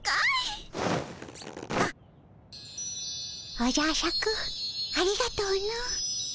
おじゃシャクありがとの。